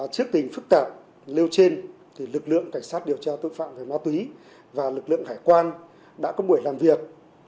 trước tình phức tạp nêu trên lực lượng cảnh sát điều tra tội phạm về ma túy và lực lượng hải quan đã có buổi làm việc